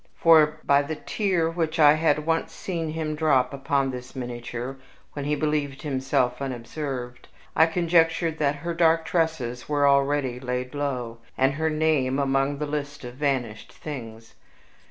For, by the tear which I had once seen him drop upon this miniature when he believed himself unobserved, I conjectured that her dark tresses were already laid low, and her name among the list of vanished things.